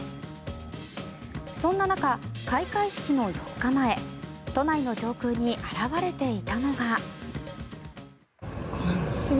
そんな中、開会式の４日前都内の上空に現れていたのが。